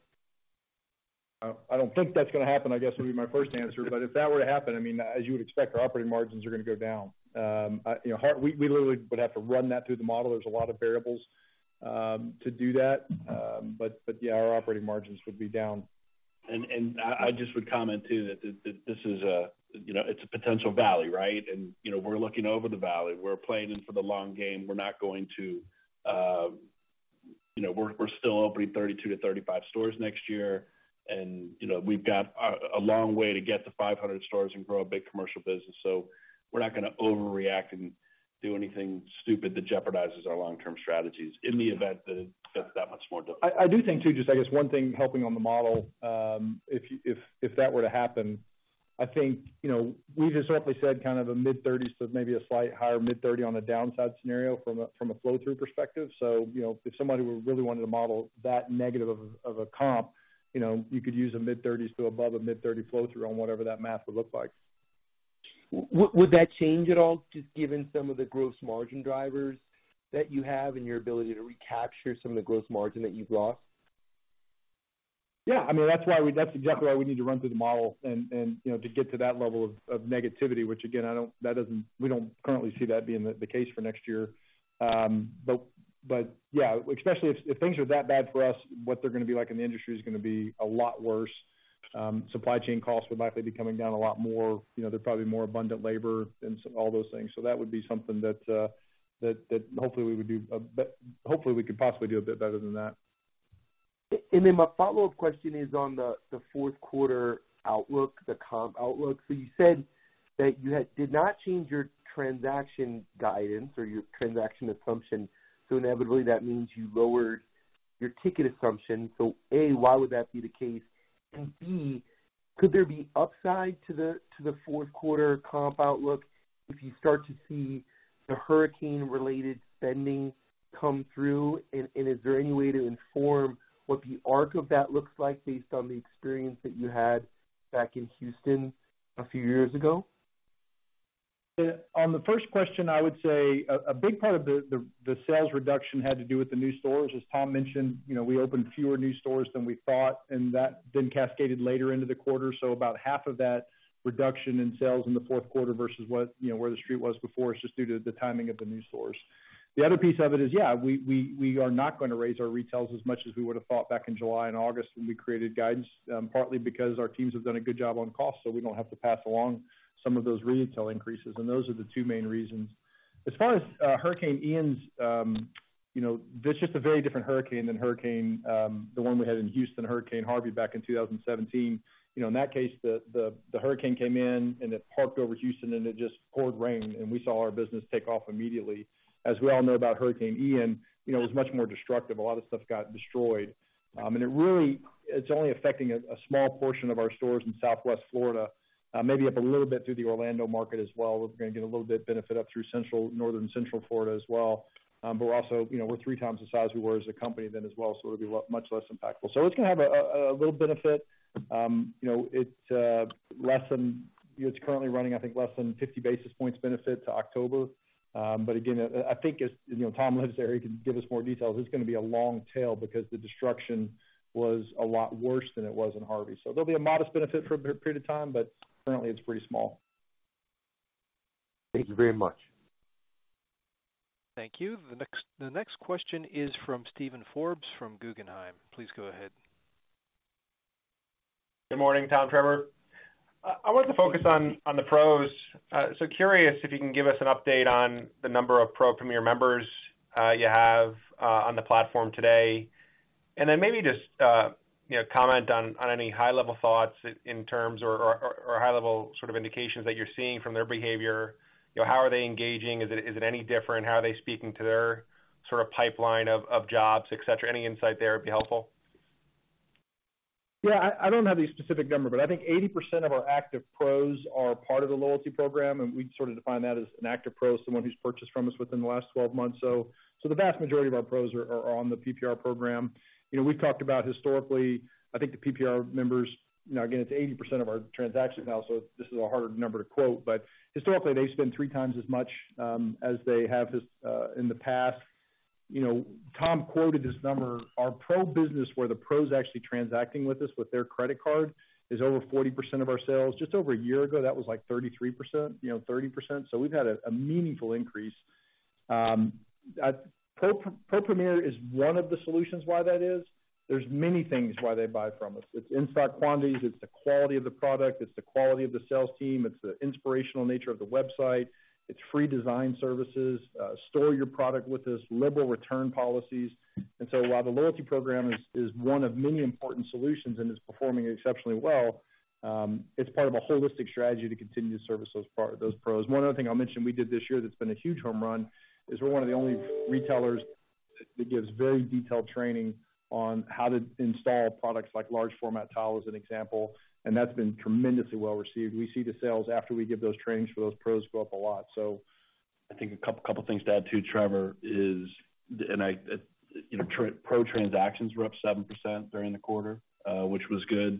I don't think that's gonna happen, I guess, would be my first answer. If that were to happen, I mean, as you would expect, our operating margins are gonna go down. You know, we literally would have to run that through the model. There's a lot of variables to do that. But yeah, our operating margins would be down. I just would comment too that this is a, you know, it's a potential valley, right? You know, we're looking over the valley. We're playing in for the long game. We're not going to, you know, we're still opening 32-35 stores next year and, you know, we've got a long way to get to 500 stores and grow a big commercial business. We're not gonna overreact and do anything stupid that jeopardizes our long-term strategies in the event that it gets that much more difficult. I do think too, just I guess one thing helping on the model, if that were to happen, I think, you know, we just roughly said kind of a mid-30s% to maybe a slightly higher mid-30% on the downside scenario from a flow-through perspective. You know, if somebody really wanted to model that negative of a comp, you know, you could use a mid-30s% to above a mid-30% flow-through on whatever that math would look like. Would that change at all, just given some of the gross margin drivers that you have and your ability to recapture some of the gross margin that you've lost? Yeah. I mean, that's why we. That's exactly why we need to run through the model and, you know, to get to that level of negativity, which again, we don't currently see that being the case for next year. Yeah, especially if things are that bad for us, what they're gonna be like in the industry is gonna be a lot worse. Supply chain costs would likely be coming down a lot more. You know, there'd probably be more abundant labor and all those things. That would be something that hopefully we could possibly do a bit better than that. My follow-up question is on the fourth quarter outlook, the comp outlook. You said that you did not change your transaction guidance or your transaction assumption, so inevitably that means you lowered your ticket assumption. A, why would that be the case? B, could there be upside to the fourth quarter comp outlook if you start to see the hurricane-related spending come through? Is there any way to inform what the arc of that looks like based on the experience that you had back in Houston a few years ago? On the first question, I would say a big part of the sales reduction had to do with the new stores. As Tom mentioned, you know, we opened fewer new stores than we thought, and that then cascaded later into the quarter. About half of that reduction in sales in the fourth quarter versus what, you know, where the Street was before is just due to the timing of the new stores. The other piece of it is, yeah, we are not gonna raise our retails as much as we would have thought back in July and August when we created guidance, partly because our teams have done a good job on cost, so we don't have to pass along some of those retail increases. Those are the two main reasons. As far as Hurricane Ian's, you know, that's just a very different hurricane than the one we had in Houston, Hurricane Harvey back in 2017. You know, in that case, the hurricane came in and it parked over Houston, and it just poured rain, and we saw our business take off immediately. As we all know about Hurricane Ian, you know, it was much more destructive. A lot of stuff got destroyed. And it really is only affecting a small portion of our stores in southwest Florida, maybe up a little bit through the Orlando market as well. We're gonna get a little bit benefit up through northern central Florida as well. We're also, you know, we're three times the size we were as a company then as well, so it'll be much less impactful. It's gonna have a little benefit. You know, it's less than. You know, it's currently running, I think, less than 50 basis points benefit to October. Again, I think it's, you know, Tom lives there. He can give us more details. It's gonna be a long tail because the destruction was a lot worse than it was in Harvey. There'll be a modest benefit for a period of time, but currently it's pretty small. Thank you very much. Thank you. The next question is from Steven Forbes from Guggenheim. Please go ahead. Good morning, Tom, Trevor. I wanted to focus on the pros. So curious if you can give us an update on the number of Pro Premier members you have on the platform today. Maybe just you know comment on any high-level thoughts in terms of high-level sort of indications that you're seeing from their behavior. You know, how are they engaging? Is it any different? How are they speaking to their sort of pipeline of jobs, etc? Any insight there would be helpful. Yeah. I don't have the specific number, but I think 80% of our active pros are part of the loyalty program, and we sort of define that as an active pro is someone who's purchased from us within the last twelve months. The vast majority of our pros are on the PPR program. You know, we've talked about historically, I think the PPR members, you know, again, it's 80% of our transactions now, so this is a harder number to quote. But historically, they spend three times as much as they have in the past. You know, Tom quoted this number. Our pro business, where the pro's actually transacting with us with their credit card, is over 40% of our sales. Just over a year ago, that was like 33%, you know, 30%. We've had a meaningful increase. PRO Premier is one of the solutions why that is. There's many things why they buy from us. It's in-stock quantities, it's the quality of the product, it's the quality of the sales team, it's the inspirational nature of the website, it's free design services, store your product with us, liberal return policies. While the loyalty program is one of many important solutions and is performing exceptionally well, it's part of a holistic strategy to continue to service those pros. One other thing I'll mention we did this year that's been a huge home run is we're one of the only retailers that gives very detailed training on how to install products like large format tile, as an example, and that's been tremendously well received. We see the sales after we give those trainings for those pros go up a lot, so. I think a couple of things to add too, Trevor, you know, pro transactions were up 7% during the quarter, which was good.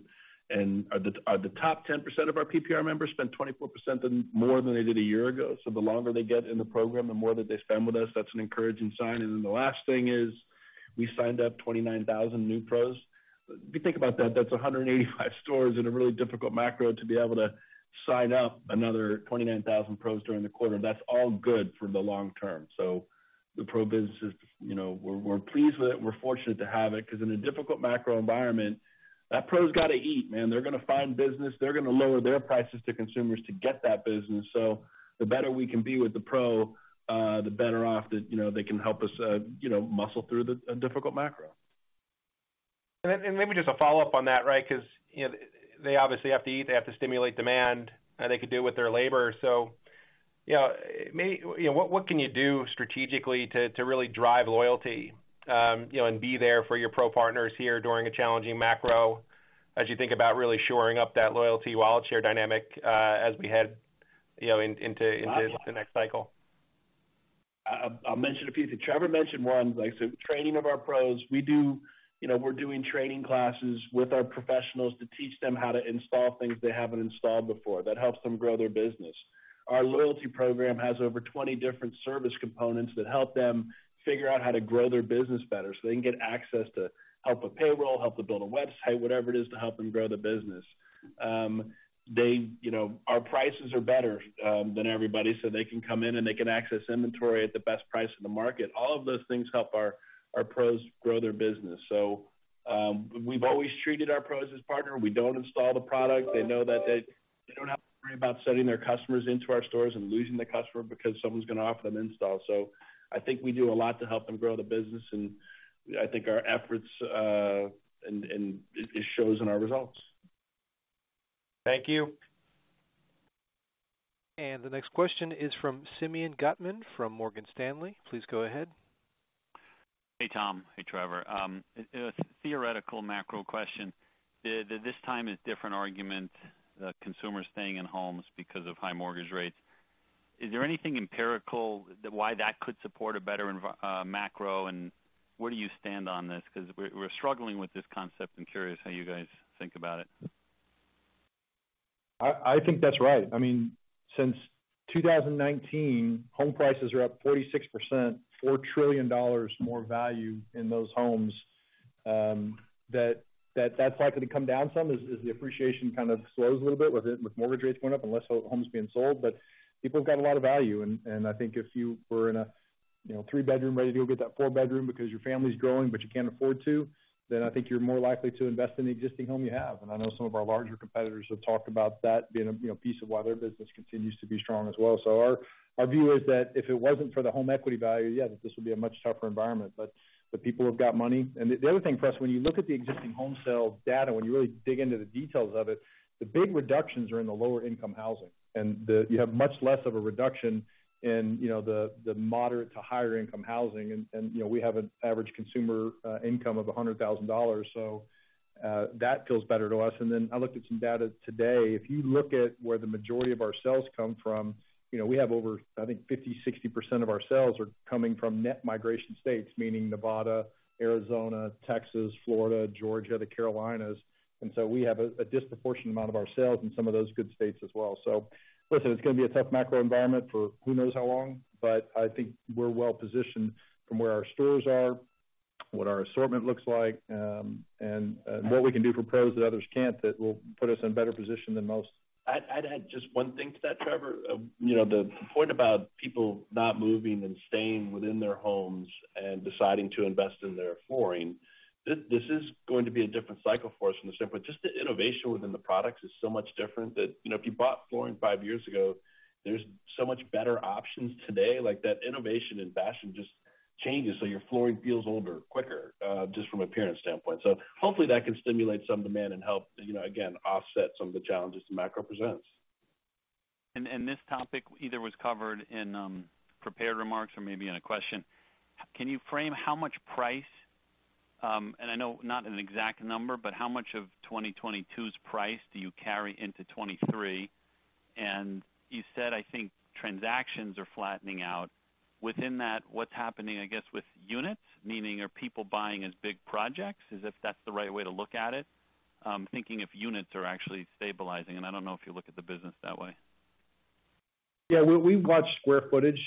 The top 10% of our PPR members spent 24% more than they did a year ago. The longer they get in the program, the more that they spend with us. That's an encouraging sign. The last thing is we signed up 29,000 new pros. If you think about that's 185 stores in a really difficult macro to be able to sign up another 29,000 pros during the quarter. That's all good for the long term. The pro business is, you know, we're pleased with it. We're fortunate to have it because in a difficult macro environment, that pro's gotta eat, man. They're gonna find business. They're gonna lower their prices to consumers to get that business. The better we can be with the pro, the better off that, you know, they can help us, you know, muscle through a difficult macro. Maybe just a follow-up on that, right? 'Cause, you know, they obviously have to eat, they have to stimulate demand, and they could do it with their labor. You know, what can you do strategically to really drive loyalty, you know, and be there for your pro partners here during a challenging macro as you think about really shoring up that loyalty wallet share dynamic, as we head, you know, into this, the next cycle? I'll mention a few. Trevor mentioned one, like, training of our pros. You know, we're doing training classes with our professionals to teach them how to install things they haven't installed before. That helps them grow their business. Our loyalty program has over 20 different service components that help them figure out how to grow their business better, so they can get access to help with payroll, help to build a website, whatever it is to help them grow the business. They, you know, our prices are better than everybody, so they can come in and they can access inventory at the best price in the market. All of those things help our pros grow their business. We've always treated our pros as partner. We don't install the product. They know that they don't have to worry about sending their customers into our stores and losing the customer because someone's gonna offer them install. I think we do a lot to help them grow the business, and I think our efforts and it shows in our results. Thank you. The next question is from Simeon Gutman from Morgan Stanley. Please go ahead. Hey, Tom. Hey, Trevor. A theoretical macro question. This time is different argument, consumers staying in homes because of high mortgage rates. Is there anything empirical why that could support a better macro, and where do you stand on this? 'Cause we're struggling with this concept. I'm curious how you guys think about it. I think that's right. I mean, since 2019, home prices are up 46%, $4 trillion more value in those homes, that's likely to come down some as the appreciation kind of slows a little bit with mortgage rates going up and less homes being sold. People have got a lot of value. I think if you were in a you know three bedroom ready to go get that four bedroom because your family's growing, but you can't afford to, then I think you're more likely to invest in the existing home you have. I know some of our larger competitors have talked about that being you know a piece of why their business continues to be strong as well. Our view is that if it wasn't for the home equity value, yeah, this would be a much tougher environment. People have got money. The other thing for us, when you look at the existing home sales data, when you really dig into the details of it, the big reductions are in the lower income housing, and you have much less of a reduction in, you know, the moderate to higher income housing. We have an average consumer income of $100,000, so that feels better to us. Then I looked at some data today. If you look at where the majority of our sales come from, you know, we have over, I think, 50-60% of our sales are coming from net migration states, meaning Nevada, Arizona, Texas, Florida, Georgia, the Carolinas. We have a disproportionate amount of our sales in some of those good states as well. Listen, it's gonna be a tough macro environment for who knows how long, but I think we're well positioned from where our stores are, what our assortment looks like, and what we can do for pros that others can't that will put us in a better position than most. I'd add just one thing to that, Trevor. You know, the point about people not moving and staying within their homes and deciding to invest in their flooring, this is going to be a different cycle for us from the standpoint. Just the innovation within the products is so much different that, you know, if you bought flooring five years ago, there's so much better options today. Like, that innovation and fashion just changes, so your flooring feels older quicker, just from appearance standpoint. Hopefully, that can stimulate some demand and help, you know, again, offset some of the challenges the macro presents. This topic either was covered in prepared remarks or maybe in a question. Can you frame how much price, and I know not an exact number, but how much of 2022's price do you carry into 2023? You said, I think, transactions are flattening out. Within that, what's happening, I guess, with units? Meaning, are people buying as big projects? As if that's the right way to look at it. Thinking if units are actually stabilizing, and I don't know if you look at the business that way. Yeah, we watch square footage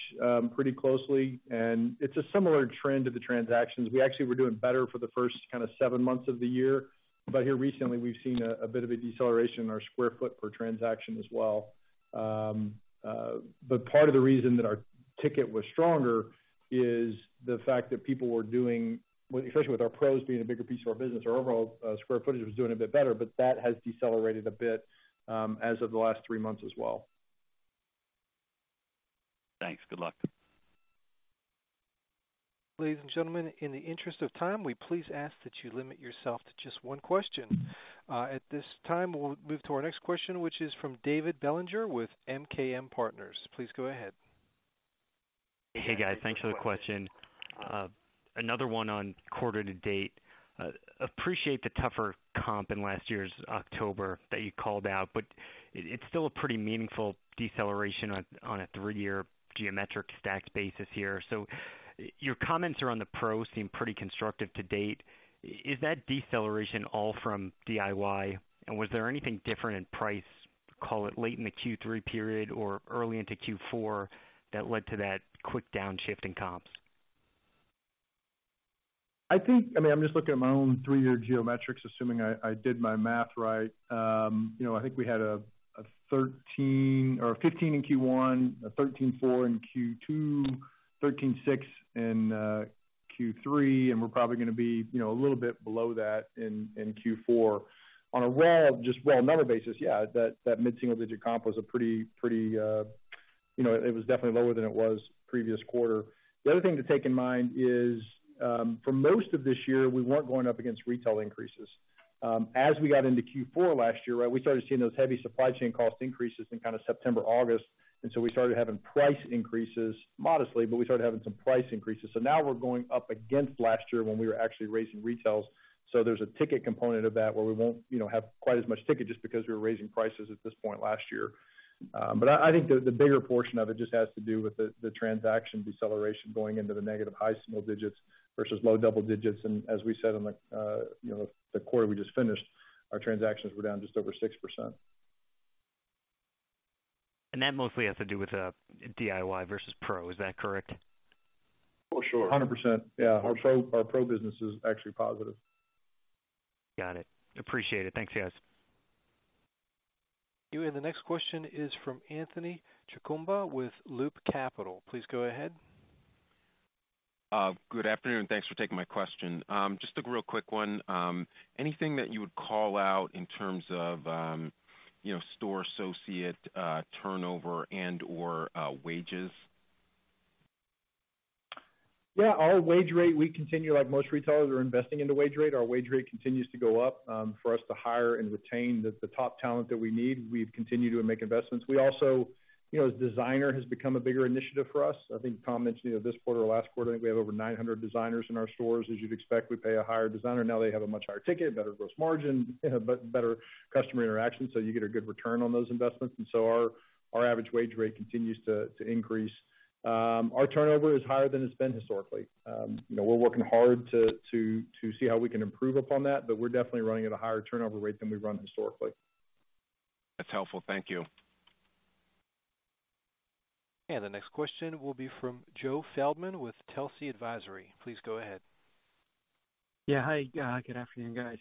pretty closely, and it's a similar trend to the transactions. We actually were doing better for the first kinda seven months of the year, but here recently we've seen a bit of a deceleration in our square footage per transaction as well. Part of the reason that our ticket was stronger is the fact that people were doing, especially with our pros being a bigger piece of our business, our overall square footage was doing a bit better, but that has decelerated a bit as of the last three months as well. Thanks. Good luck. Ladies and gentlemen, in the interest of time, we please ask that you limit yourself to just one question. At this time, we'll move to our next question, which is from David Bellinger with MKM Partners. Please go ahead. Hey, guys. Thanks for the question. Another one on quarter to date. Appreciate the tougher comp in last year's October that you called out, but it's still a pretty meaningful deceleration on a three-year geometric stacked basis here. Your comments around the pro seem pretty constructive to date. Is that deceleration all from DIY? And was there anything different in price, call it late in the Q3 period or early into Q4, that led to that quick downshift in comps? I think, I mean, I'm just looking at my own three-year geometrics, assuming I did my math right. You know, I think we had a 13 or a 15 in Q1, a 13.4 in Q2, 13.6 in Q3, and we're probably gonna be a little bit below that in Q4. On a raw, just raw number basis, yeah, that mid-single-digit comp was a pretty, you know, it was definitely lower than it was previous quarter. The other thing to bear in mind is, for most of this year, we weren't going up against retail increases. As we got into Q4 last year, we started seeing those heavy supply chain cost increases in kind of September, August, and so we started having price increases modestly, but we started having some price increases. Now we're going up against last year when we were actually raising retails. There's a ticket component of that where we won't, you know, have quite as much ticket just because we were raising prices at this point last year. But I think the bigger portion of it just has to do with the transaction deceleration going into the negative high single digits versus low double digits. As we said on the, you know, the quarter we just finished, our transactions were down just over 6%. That mostly has to do with DIY versus pro. Is that correct? For sure. 100%. Yeah. For sure. Our pro business is actually positive. Got it. Appreciate it. Thanks, guys. The next question is from Anthony Chukumba with Loop Capital. Please go ahead. Good afternoon. Thanks for taking my question. Just a real quick one. Anything that you would call out in terms of, you know, store associate turnover and/or wages? Yeah, our wage rate, we continue like most retailers are investing in the wage rate. Our wage rate continues to go up for us to hire and retain the top talent that we need. We've continued to make investments. We also, you know, as designer has become a bigger initiative for us. I think Tom mentioned, you know, this quarter or last quarter, I think we have over 900 designers in our stores. As you'd expect, we pay a higher designer now. They have a much higher ticket, better gross margin, but better customer interaction, so you get a good return on those investments. Our average wage rate continues to increase. Our turnover is higher than it's been historically. You know, we're working hard to see how we can improve upon that, but we're definitely running at a higher turnover rate than we've run historically. That's helpful. Thank you. The next question will be from Joe Feldman with Telsey Advisory. Please go ahead. Yeah. Hi, good afternoon, guys.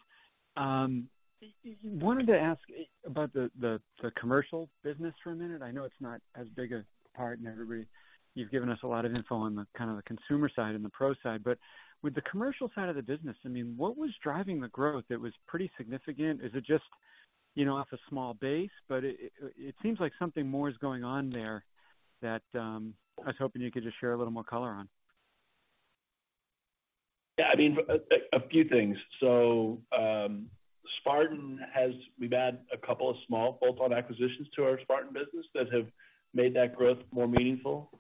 Wanted to ask about the commercial business for a minute. I know it's not as big a part, and everybody. You've given us a lot of info on kinda the consumer side and the pro side. With the commercial side of the business, I mean, what was driving the growth? It was pretty significant. Is it just, you know, off a small base? It seems like something more is going on there that I was hoping you could just share a little more color on. Yeah, I mean, a few things. Spartan has-- We've added a couple of small bolt-on acquisitions to our Spartan business that have made that growth more meaningful.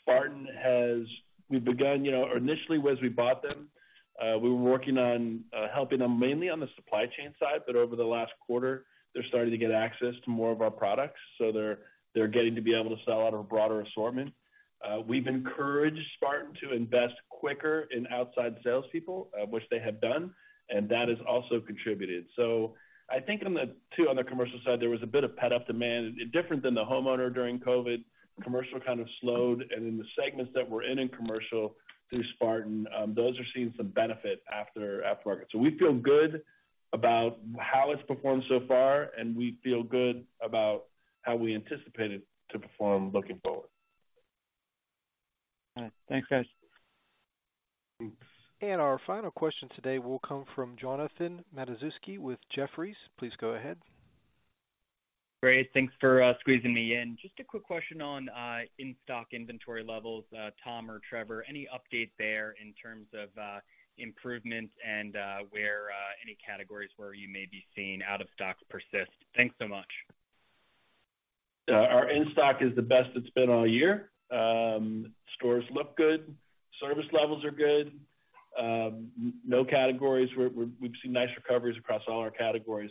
Spartan has. We've begun, you know, or initially, as we bought them, we were working on helping them mainly on the supply chain side, but over the last quarter, they're starting to get access to more of our products, so they're getting to be able to sell out of a broader assortment. We've encouraged Spartan to invest quicker in outside salespeople, which they have done, and that has also contributed. I think on the two other commercial side, there was a bit of pent-up demand. Different than the homeowner during COVID, commercial kind of slowed. In the segments that we're in commercial through Spartan, those are seeing some benefit aftermarket. We feel good about how it's performed so far, and we feel good about how we anticipate it to perform looking forward. All right. Thanks, guys. Our final question today will come from Jonathan Matuszewski with Jefferies. Please go ahead. Great. Thanks for squeezing me in. Just a quick question on in-stock inventory levels, Tom or Trevor. Any update there in terms of improvements and where any categories where you may be seeing out of stocks persist? Thanks so much. Our in-stock is the best it's been all year. Stores look good, service levels are good. No categories. We've seen nice recoveries across all our categories.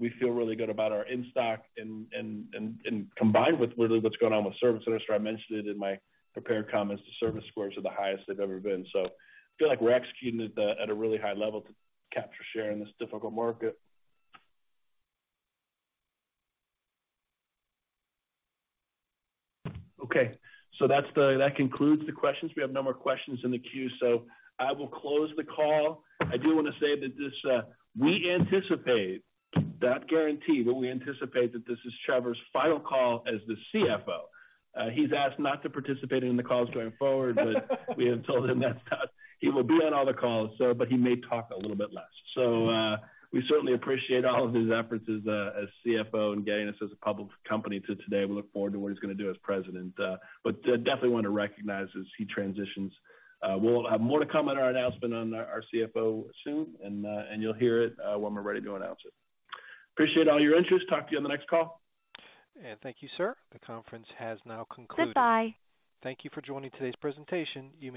We feel really good about our in-stock and combined with really what's going on with service center. I mentioned it in my prepared comments, the service scores are the highest they've ever been. I feel like we're executing it at a really high level to capture share in this difficult market. Okay. That concludes the questions. We have no more questions in the queue, so I will close the call. I do wanna say that this, we anticipate, not guaranteed, but we anticipate that this is Trevor's final call as the CFO. He's asked not to participate in the calls going forward, but we have told him that's not. He will be on all the calls, but he may talk a little bit less. We certainly appreciate all of his efforts as CFO in getting us as a public company to today. We look forward to what he's gonna do as president. We definitely want to recognize as he transitions. We'll have more to come on our announcement on our CFO soon, and you'll hear it when we're ready to announce it. Appreciate all your interest. Talk to you on the next call. Thank you, sir. The conference has now concluded. Goodbye. Thank you for joining today's presentation.